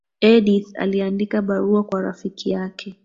edith aliandika barua kwa rafiki yake